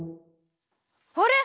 あれ？